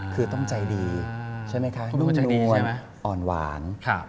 คือต้องใจดีนุ่นอ่อนหวาน